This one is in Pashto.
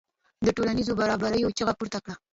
د ټولنیزو برابریو چیغه پورته کړه.